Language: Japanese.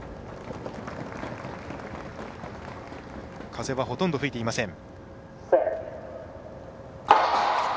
風はほとんど吹いていません。